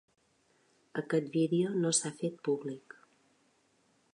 Aquest vídeo no s’ha fet públic.